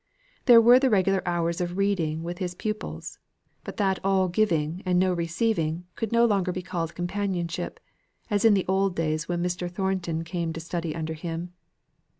There were the regular hours of reading with his pupils, but that all giving and no receiving could no longer be called companionship, as in the old days when Mr. Thornton came to study under him.